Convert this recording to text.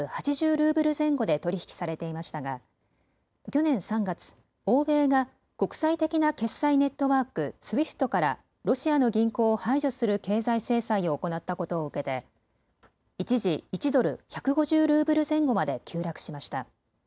ルーブル前後で取り引きされていましたが去年３月、欧米が国際的な決済ネットワークＳＷＩＦＴからロシアの銀行を排除する経済制裁を行ったことを受けて一時、１ドル１５０ルーブル前後まで急落しました。